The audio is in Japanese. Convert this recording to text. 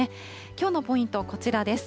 きょうのポイント、こちらです。